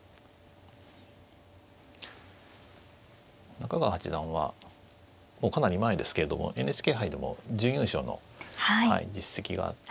中川八段はもうかなり前ですけれどもＮＨＫ杯でも準優勝の実績があって。